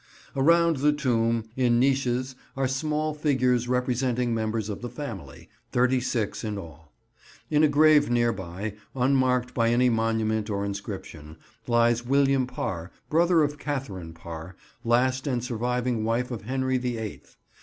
Around the tomb, in niches, are small figures representing members of the family, thirty six in all. In a grave near by, unmarked by any monument or inscription, lies William Parr, brother of Katharine Parr, last and surviving wife of Henry the Eighth.